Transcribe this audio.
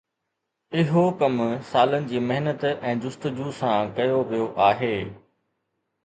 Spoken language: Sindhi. اهو ڪم سالن جي محنت ۽ جستجو سان ڪيو ويو آهي.